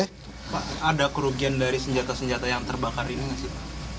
pak ada kerugian dari senjata senjata yang terbakar ini nggak sih